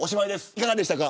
いかがでしたか。